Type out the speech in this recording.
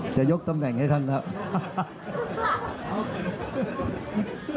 จะยกตำแหน่งให้ท่านครับ